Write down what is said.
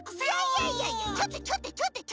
いやいやいやちょっとちょっとちょっと。